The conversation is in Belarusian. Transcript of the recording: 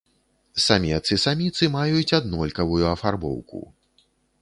Самец і саміцы маюць аднолькавую афарбоўку.